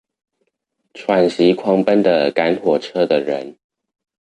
喘息狂奔的趕火車的人